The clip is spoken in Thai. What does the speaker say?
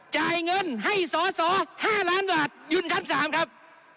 จ่ายเงินให้สอสอ๕ล้านบาทยุ่นชั้น๓ครับ